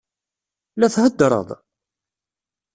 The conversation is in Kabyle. La theddṛeḍ?